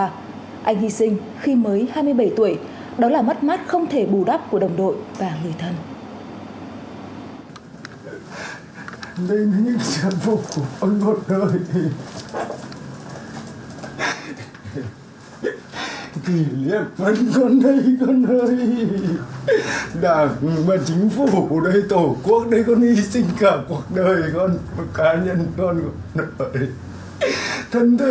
anh hy sinh khi mới hai mươi bảy tuổi đó là mất mát không thể bù đắp của đồng đội và người thân